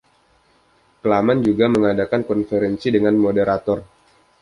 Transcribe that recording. Claman juga mengadakan konferensi dengan moderator.